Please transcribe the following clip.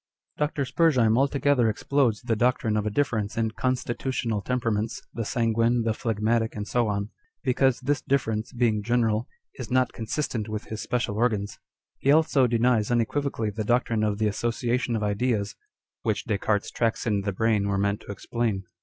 1 Dr. Spurzheim altogether explodes the doctrine of a difference in constitutional temperaments, the sanguine, the phlegmatic, and so on ; because this difference, being general, is not consistent with his special organs. He also denies unequivocally the doctrine of the association of ideas, which Des Cartes's " tracks in the brain " were meant to explain.